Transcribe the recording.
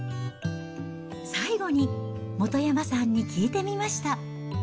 最後に本山さんに聞いてみました。